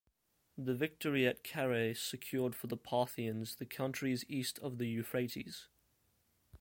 The victory at Carrhae secured for the Parthians the countries east of the Euphrates.